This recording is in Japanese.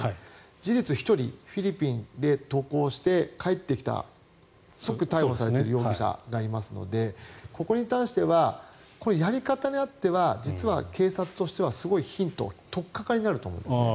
事実、１人フィリピンで渡航して帰ってきて即逮捕されている容疑者がいますのでここに対してはやり方によっては実は警察としてはすごいヒント取っかかりになると思うんです。